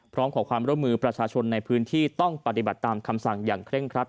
พร้อมขอความร่วมมือประชาชนในพื้นที่ต้องปฏิบัติตามคำสั่งอย่างเคร่งครัด